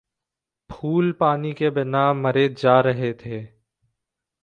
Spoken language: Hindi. फूल पानी के बिना मरे जा रहे थे।